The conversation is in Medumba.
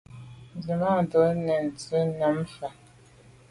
Nzwimàntô nèn ntse’te nyàm fa.